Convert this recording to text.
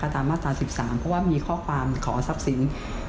ตามมาตรา๑๓เพราะว่ามีข้อความขอทรัพย์สิน